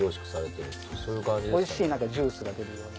おいしいジュースが出るような。